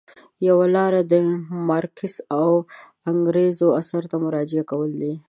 یوه لاره د مارکس او انګلز اثارو ته مراجعه کول دي.